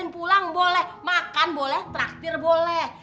pulang boleh makan boleh taktir boleh